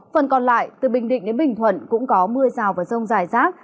phần còn lại từ bình định đến bình thuận cũng có mưa rào và rông dài rác